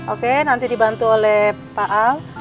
oke nanti dibantu oleh pak ang